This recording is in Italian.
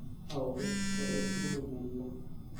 A ovest scorre il fiume Mella.